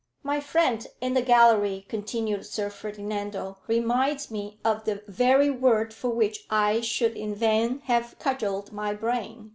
"My friend in the gallery," continued Sir Ferdinando, "reminds me of the very word for which I should in vain have cudgelled my brain.